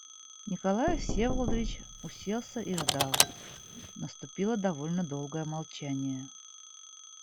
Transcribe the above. Николай Всеволодович уселся и ждал; наступило довольно долгое молчание.